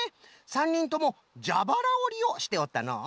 ３にんともじゃばらおりをしておったのう。